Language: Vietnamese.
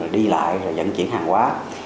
đi lại dẫn chuyển hàng quá